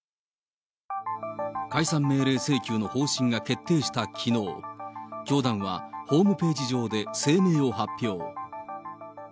解散命令請求の方針が決定したきのう、教団はホームページ上で声明を発表。